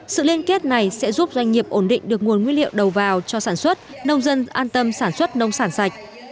sự liên kết này sẽ giúp doanh nghiệp ổn định được nguồn nguyên liệu đầu vào cho sản xuất nông dân an tâm sản xuất nông sản sạch